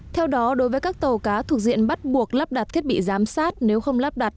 theo đó đối với các tàu cá thuộc diện bắt buộc lắp đặt thiết bị giám sát nếu không lắp đặt